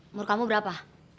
umur kamu berapa